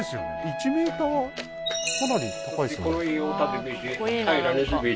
かなり高いですねあっ